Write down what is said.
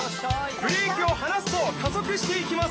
ブレーキを離すと加速しています。